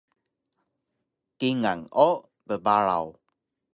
Kingal o bbaraw